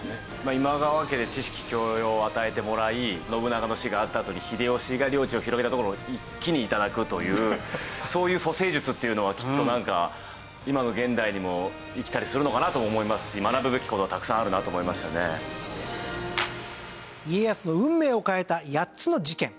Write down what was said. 今川家で知識教養を与えてもらい信長の死があったあとに秀吉が領地を広げたところを一気に頂くというそういう処世術っていうのはきっと今の現代にも生きたりするのかなとも思いますし家康の運命を変えた８つの事件。